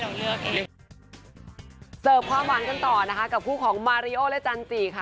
แล้วเขาก็บอกว่าถึงเลือกไปอ่ะก็ไม่ถูกใจอะไรแบบนี้ค่ะ